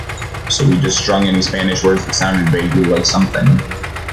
So we just strung any Spanish words that sounded vaguely like something.